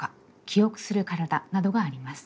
「記憶する体」などがあります。